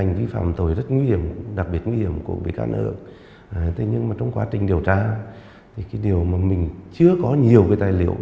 nhưng mà trong quá trình điều tra thì cái điều mà mình chưa có nhiều cái tài liệu